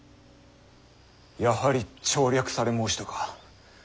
やはり調略され申したか。